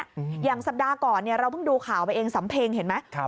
อย่างสัปดาห์ก่อนเนี้ยเราเพิ่งดูข่าวไปเองสำเพ็งเห็นไหมครับ